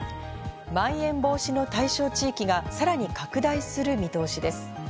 まん延防止の対象地域がさらに拡大する見通しです。